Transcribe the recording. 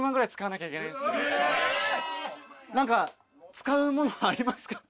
使うものありますか？